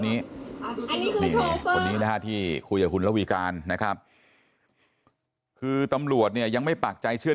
นี้ที่คุยคุณลวิการนะครับคือตำรวจเนี่ยยังไม่ปากใจเชื่อ